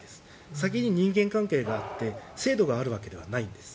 先に人間関係があって制度があるわけではないんです。